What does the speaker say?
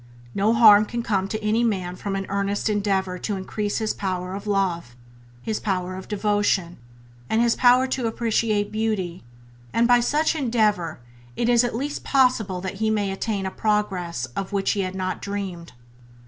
No harm can come to any man from an earnest endeavour to increase his power of love, his power of devotion, and his power to appreciate beauty; and by such endeavour it is at least possible that he may attain a progress of which he had not dreamed.